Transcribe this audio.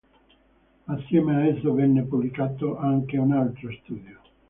Assieme a esso venne pubblicato anche un altro studio.